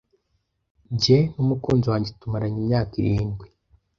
Jye n'umukunzi wanjye tumaranye imyaka irindwi.